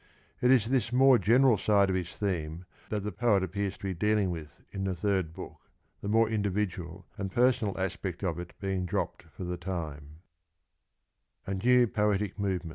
It is this more general side of his theme that the poet appears to be deal ing with in the third book, the more individual and personal aspect of it being dropped for the time.